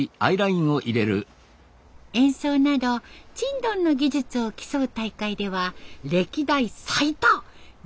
演奏などちんどんの技術を競う大会では歴代最多！